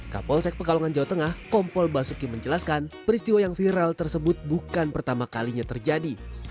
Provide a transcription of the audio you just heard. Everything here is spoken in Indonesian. kapolsek pekalongan jawa tengah kompol basuki menjelaskan peristiwa yang viral tersebut bukan pertama kalinya terjadi